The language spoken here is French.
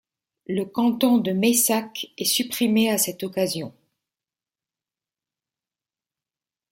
Le canton de Meyssac est supprimé à cette occasion.